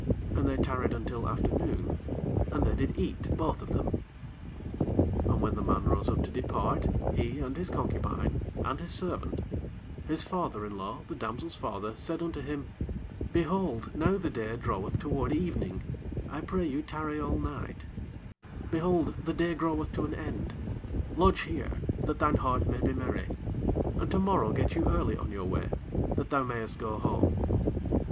And they tarried until afternoon, and they did eat both of them. 9 And when the man rose up to depart, he, and his concubine, and his servant, his father in law, the damsel's father, said unto him, Behold, now the day draweth toward evening, I pray you tarry all night: behold, the day groweth to an end, lodge here, that thine heart may be merry; and tomorrow get you early on your way, that thou mayest go home.